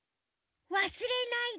「わすれないでね。